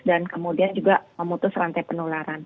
dan kemudian juga memutus rantai penularan